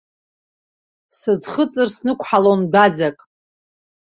Сыӡхыҵыр, снықәҳалон дәаӡак.